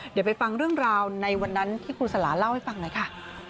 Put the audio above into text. เดี๋ยวไปฟังเรื่องราวในวันนั้นที่ครูสลาเล่าให้ฟังหน่อยค่ะ